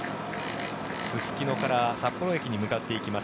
すすきのから札幌駅に向かっていきます。